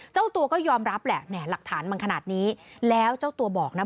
เจ้าตัวก็ยอมรับแหละหลักฐานมันขนาดนี้แล้วเจ้าตัวบอกนะ